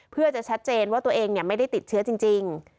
เพื่อจะชัดเจนว่าตัวเองไม่ได้ติดเชื้อจริง